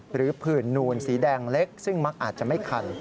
ผื่นนูนสีแดงเล็กซึ่งมักอาจจะไม่คัน